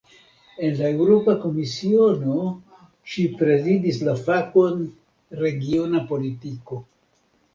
En la Eŭropa Komisiono ŝi prezidis la fakon "regiona politiko".